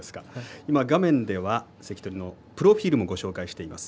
画面では関取のプロフィールをご紹介しています。